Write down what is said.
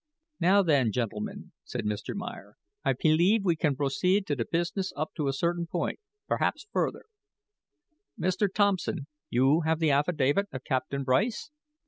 "Now then, gentlemen," said Mr. Meyer, "I pelieve we can broceed to pizness up to a certain point berhaps further. Mr. Thompson, you have the affidavit of Captain Bryce?"